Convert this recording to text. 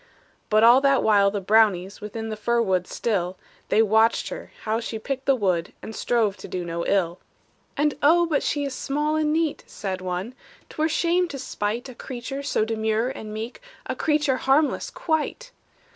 But all that while the brownies Within the fir wood still, They watched her how she picked the wood, And strove to do no ill. "And, oh, but she is small and neat," Said one; "'t were shame to spite A creature so demure and meek, A creature harmless quite!"